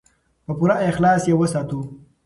په پوره اخلاص یې وساتو.